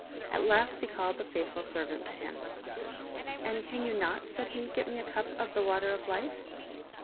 At last he called the faithful servant to him. " And can you not," said he, " get me a cup of the Water of Life?"